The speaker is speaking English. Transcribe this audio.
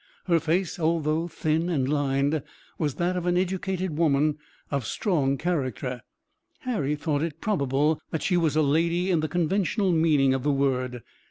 Her face, although thin and lined, was that of an educated woman of strong character. Harry thought it probable that she was a lady in the conventional meaning of the word.